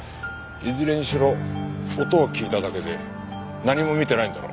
いずれにしろ音を聞いただけで何も見てないんだろ。